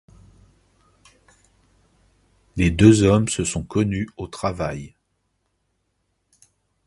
Les deux hommes se sont connus au travail.